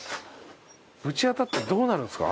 ぶち当たってどうなるんですか？